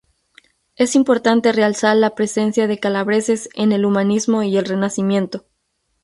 Es importante realzar la presencia de calabreses en el humanismo y el Renacimiento.